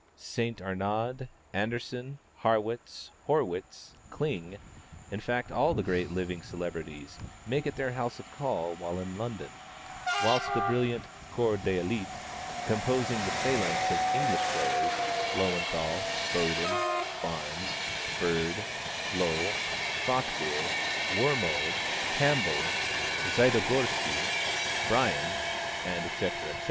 St. Arnaud, Anderssen, Harrwitz, Hörwitz, Kling, in fact all the great living celebrities make it their house of call when in London, whilst the brilliant corps d'élite composing the phalanx of English players Löwenthal, Boden, Barnes, Bird, Lowe, Falkbeer, Wormald, Campbell, Zytogorsky, Brien, &c., &c.